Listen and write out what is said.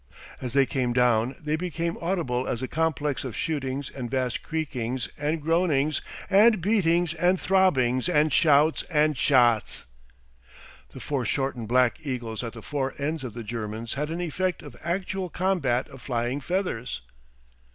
As they came down they became audible as a complex of shootings and vast creakings and groanings and beatings and throbbings and shouts and shots. The fore shortened black eagles at the fore ends of the Germans had an effect of actual combat of flying feathers.